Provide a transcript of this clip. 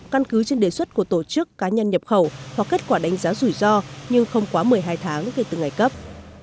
căn cứ trên đề xuất của tổ chức cá nhân nhập khẩu hoặc kết quả đánh giá rủi ro nhưng không quá một mươi hai tháng kể từ ngày cấp